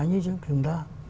như chúng ta